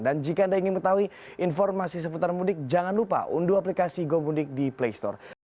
dan jika anda ingin mengetahui informasi seputar muntikoni jangan lupa unduh aplikasi go muntik di playstore